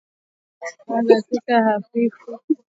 Kaanga viazi lishe kwenye moto hafifu